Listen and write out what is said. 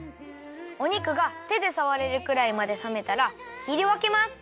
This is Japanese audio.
お肉がてでさわれるくらいまでさめたらきりわけます。